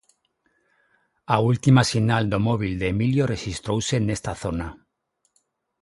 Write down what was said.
A última sinal do móbil de Emilio rexistrouse nesta zona.